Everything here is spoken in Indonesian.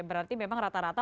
berarti memang rata rata